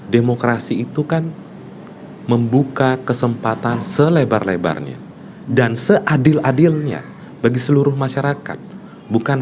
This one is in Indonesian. demokrasi itu kan membuka kesempatan selebar lebarnya dan seadil adilnya bagi seluruh masyarakat bukan